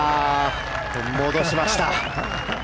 戻しました。